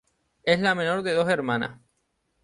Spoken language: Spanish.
Es la menor de dos hermanas.